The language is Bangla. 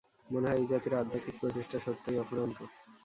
মনে হয়, এই জাতির আধ্যাত্মিক প্রচেষ্টা সত্যই অফুরন্ত।